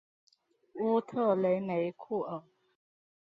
乌特雷梅库尔。